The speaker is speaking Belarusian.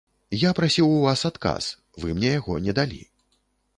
Я прасіў у вас адказ, вы мне яго не далі.